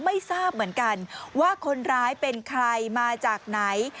ไม่ทราบเหมือนกันว่าคนร้ายเป็นใครมาจากไหน